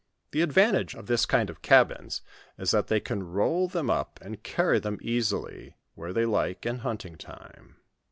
The advantage of this kind of cabins is that they can roll them up, and carry them easily where they like in hunting time.